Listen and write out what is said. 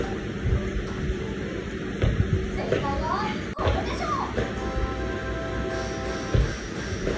正解はこれでしょう。